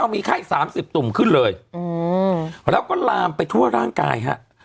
มีไข้๓๐ตุ่มขึ้นเลยแล้วก็ลามไปทั่วร่างกายฮะ